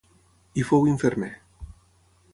Hi fou infermer.